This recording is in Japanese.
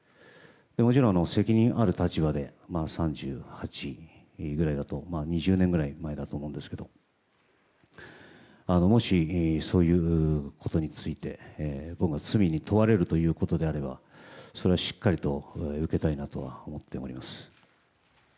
もちろん、責任ある立場で３８ぐらいだと２０年ぐらい前だと思うんですけどもし、そういうことについて僕が罪に問われるということであればそれはしっかりと受けたいなとは思っております。